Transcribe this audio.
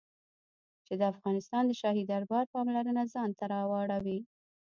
چې د افغانستان د شاهي دربار پاملرنه ځان ته را واړوي.